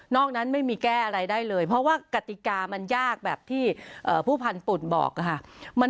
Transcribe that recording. นั้นไม่มีแก้อะไรได้เลยเพราะว่ากติกามันยากแบบที่ผู้พันธุ์บอกค่ะ